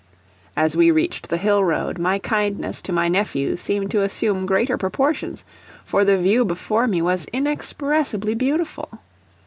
As we reached the hill road, my kindness to my nephews seemed to assume, greater proportions, for the view before me was inexpressibly beautiful.